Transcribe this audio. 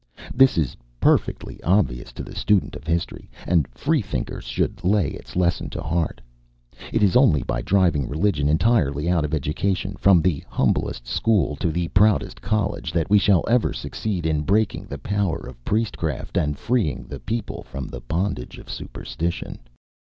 This is perfectly obvious to the student of history, and Freethinkers should lay its lesson to heart. It is only by driving religion entirely out of education, from the humblest school to the proudest college, that we shall ever succeed in breaking the power of priestcraft and freeing the people from the bondage of superstition.